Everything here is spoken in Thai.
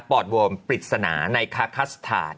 อดโวมปริศนาในคาคัสสถาน